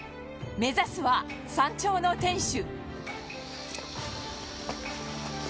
目指すは、山頂の天守